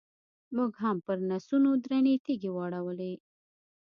موږ هم پرنسونو درنې تیږې واړولې.